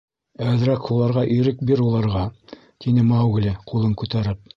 — Әҙерәк һуларға ирек бир уларға, — тине Маугли, ҡулын күтәреп.